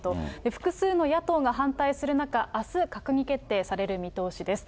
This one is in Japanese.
複数の野党が反対する中、あす閣議決定される見通しです。